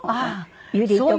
ユリとかね。